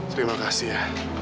terima kasih ya